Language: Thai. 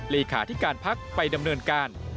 เลขาธิการพักไปดำเนินการ